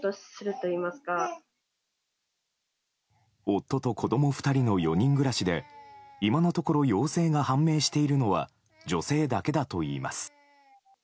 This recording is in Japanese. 夫と子供２人の４人暮らしで今のところ陽性が判明しているのは女性だけだといいます。